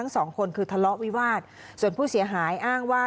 ส่วนผู้เสียหายอ้างว่า